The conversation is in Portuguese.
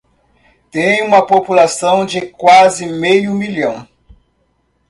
Tem uma população de quase meio milhão.